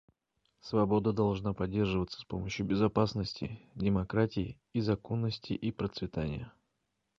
Свобода должна поддерживаться с помощью безопасности, демократии и законности и процветания.